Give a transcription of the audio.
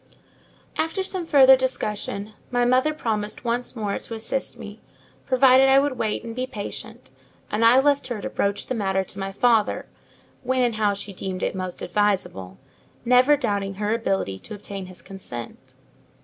After some further discussion, my mother promised once more to assist me, provided I would wait and be patient; and I left her to broach the matter to my father, when and how she deemed it most advisable: never doubting her ability to obtain his consent.